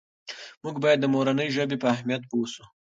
موږ باید د مورنۍ ژبې په اهمیت پوه سو.